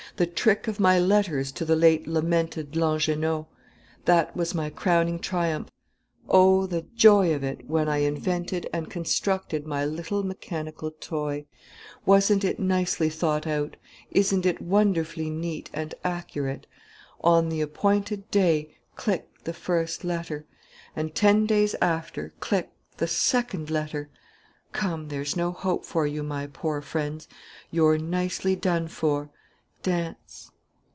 The trick of my letters to the late lamented Langernault! That was my crowning triumph. Oh, the joy of it, when I invented and constructed my little mechanical toy! Wasn't it nicely thought out? Isn't it wonderfully neat and accurate? On the appointed day, click, the first letter! And, ten days after, click, the second letter! Come, there's no hope for you, my poor friends, you're nicely done for. Dance!